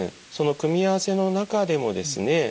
その組み合わせの中でもですね